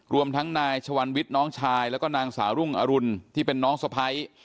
รวมทั้งนายชวันวิทย์น้องชายแล้วก็นางสาวรุ่งอรุณที่เป็นน้องสะพ้าย